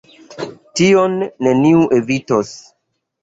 Tion neniu evitos.